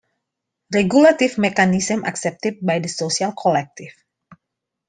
Regulative mechanisms accepted by the social collective.